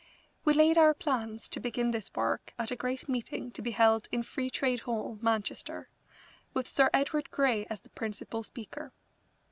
We laid our plans to begin this work at a great meeting to be held in Free Trade Hall, Manchester, with Sir Edward Grey as the principal speaker.